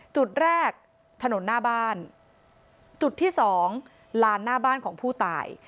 จุดแรกถนนหน้าบ้านจุดที่สองลานหน้าบ้านของผู้ตาย